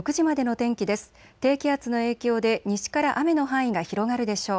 低気圧の影響で西から雨の範囲が広がるでしょう。